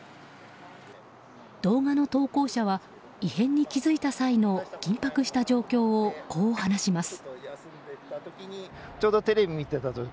動画の投稿者は異変に気付いた際の緊迫した状況を、こう話します。